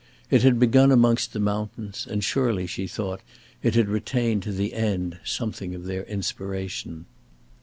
It had begun amongst the mountains, and surely, she thought, it had retained to the end something of their inspiration.